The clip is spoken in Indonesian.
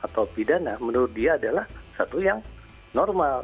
dan tidak ada yang menurut dia adalah satu yang normal